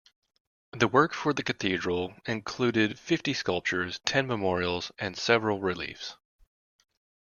The work for the cathedral included fifty sculptures, ten memorials and several reliefs.